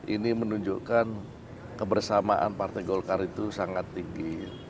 ini menunjukkan kebersamaan partai golkar itu sangat tinggi